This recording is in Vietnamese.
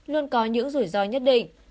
luôn có những rủi ro nhất định